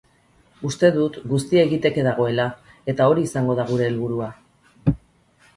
Uste dut guztia egiteke dagoela eta hori izango da gure helburua.